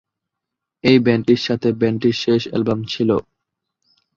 এটি ব্যান্ডটির সাথে ব্যান্ডটির শেষ অ্যালবাম ছিল।